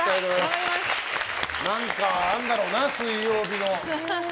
何かあるんだろうな、水曜日の。